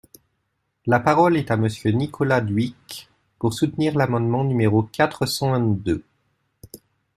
La parole est à Monsieur Nicolas Dhuicq, pour soutenir l’amendement numéro quatre cent vingt-deux.